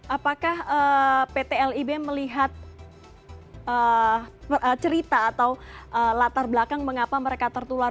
apakah pt lib melihat cerita atau latar belakang mengapa mereka tertular